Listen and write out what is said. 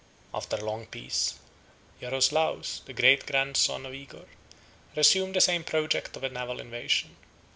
63 After a long peace, Jaroslaus, the great grandson of Igor, resumed the same project of a naval invasion.